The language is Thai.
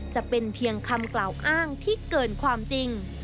จะเป็นเพียงคำกล่าวอ้างที่เกินความจริง